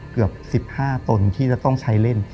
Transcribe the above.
เกือบ๑๕ตนที่จะต้องใช้เล่น